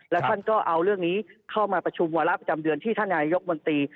แล้วท่านก็เอาเรื่องนี้เข้ามาประชุมวาระประจำเดือนที่ท่านนายกมนตรี